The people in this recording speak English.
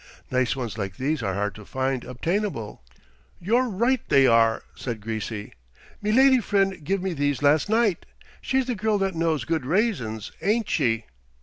Nice ones like these are hard to find obtainable." "You're right they are," said Greasy. "Me lady friend give me these last night. She's the girl that knows good raisins, ain't she?"